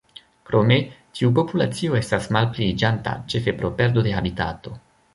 Krome, tiu populacio estas malpliiĝanta, ĉefe pro perdo de habitato.